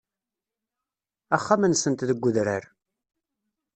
Axxam-nsent deg udrar.